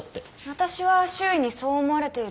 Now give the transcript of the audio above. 私は周囲にそう思われている。